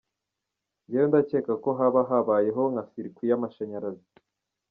Njyewe ndakeka ko haba habayeho nka ‘circuit’ y’amashanyarazi.